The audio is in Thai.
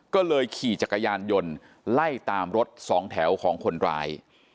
ก็เลยขี่จักรยานยนต์ไล่ตามรถสองแถวของคนร้าย